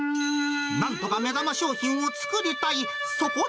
なんとか目玉商品を作りたい。